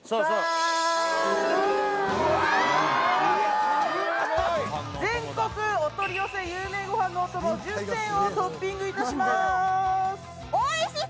すごい全国お取り寄せ有名ご飯のお供１０選をトッピングいたします